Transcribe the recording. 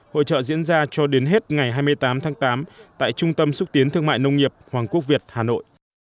hội trợ diễn ra cho đến hết ngày hai mươi tám tháng tám tại trung tâm xúc tiến thương mại nông nghiệp hoàng quốc việt hà nội